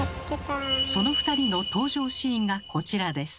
その２人の登場シーンがこちらです。